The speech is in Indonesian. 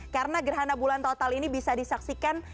karena gerhana bulan total ini bisa disaksikan